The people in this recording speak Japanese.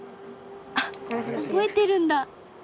あっ覚えてるんだ。